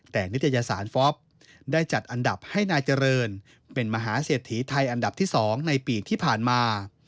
แต่นิตยสารฟอปได้จัดอันดับให้นายเจริญเป็นมหาเศรษฐีไทยอันดับที่๒ในปีที่ผ่านมา